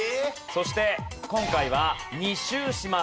そして今回は２周します。